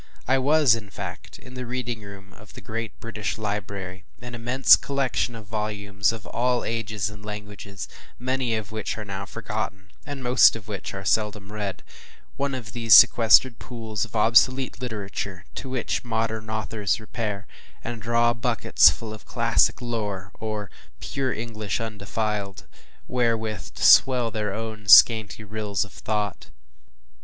I was, in fact, in the reading room of the great British Library, an immense collection of volumes of all ages and languages, many of which are now forgotten, and most of which are seldom read: one of these sequestered pools of obsolete literature to which modern authors repair, and draw buckets full of classic lore, or “pure English, undefiled,” wherewith to swell their own scanty rills of thought.